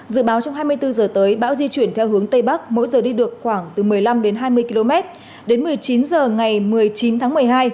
dự báo trong hai mươi bốn h tới bão di chuyển theo hướng tây bắc mỗi giờ đi được khoảng từ một mươi năm đến hai mươi km đến một mươi chín h ngày một mươi chín tháng một mươi hai